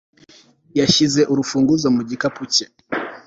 yashyize urufunguzo mu gikapu cye